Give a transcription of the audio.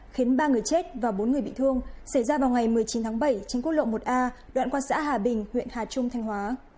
khiến ba người chết và bốn người bị thương xảy ra vào ngày một mươi chín tháng bảy trên quốc lộ một a đoạn qua xã hà bình huyện hà trung thanh hóa